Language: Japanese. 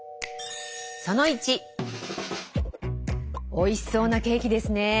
おいしそうなケーキですねぇ。